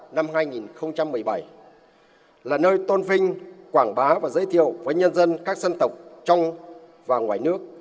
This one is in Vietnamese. năm hai nghìn một mươi bảy là nơi tôn vinh quảng bá và giới thiệu với nhân dân các dân tộc trong và ngoài nước